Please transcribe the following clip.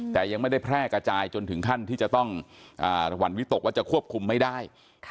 แต่ยังไม่ได้แพร่กระจายจนถึงขั้นที่จะต้องหวั่นวิตกว่าจะควบคุมไม่ได้